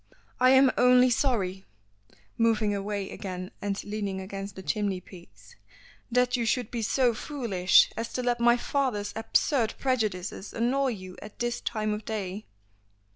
"I am only sorry" moving away again and leaning against the chimney piece "that you should be so foolish as to let my father's absurd prejudices annoy you at this time of day."